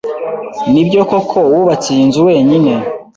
Nibyo koko ko wubatse iyi nzu wenyine?